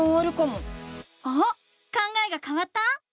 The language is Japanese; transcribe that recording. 考えがかわった？